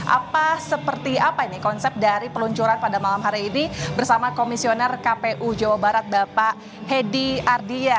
apa seperti apa ini konsep dari peluncuran pada malam hari ini bersama komisioner kpu jawa barat bapak hedi ardia